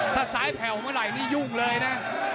ถ้าซ้ายแผ่วเมื่อไหร่นี่ยุ่งเลยนะ